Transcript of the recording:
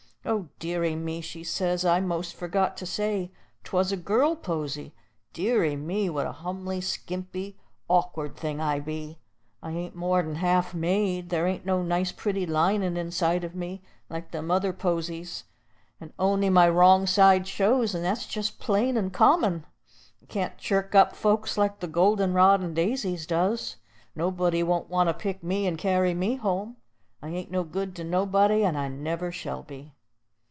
"Oh, deary me!" she says, I most forgot to say 'twas a girl posy "deary me, what a humly, skimpy, awk'ard thing I be! I ain't more'n half made; there ain't no nice, pretty lining inside o' me, like them other posies; and on'y my wrong side shows, and that's jest plain and common. I can't chirk up folks like the golden rod and daisies does. Nobody won't want to pick me and carry me home. I ain't no good to anybody, and I never shall be."